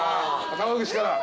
川口から。